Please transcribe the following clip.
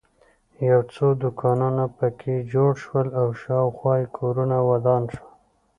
یو څو دوکانونه په کې جوړ شول او شاخوا یې کورونه ودان شول.